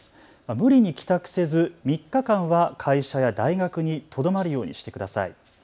無理に帰宅せず３日間は会社や大学にとどまるようにしてください。